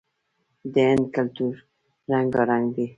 د هند کلتور رنګارنګ دی.